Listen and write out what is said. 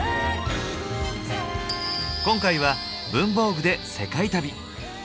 今回は「文房具」で世界旅！